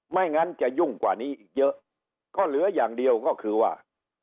ไม่งั้นจะยุ่งกว่านี้อีกเยอะก็เหลืออย่างเดียวก็คือว่า